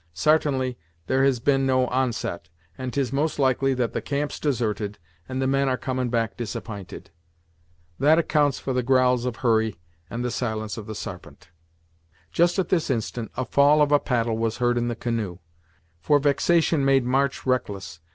Sartainly there has been no onset, and 'tis most likely that the camp's deserted, and the men are comin' back disapp'inted. That accounts for the growls of Hurry and the silence of the Sarpent." Just at this instant a fall of a paddle was heard in the canoe, for vexation made March reckless.